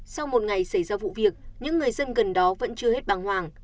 sau một ngày xảy ra vụ việc những người dân gần đó vẫn chưa hết bằng hoàng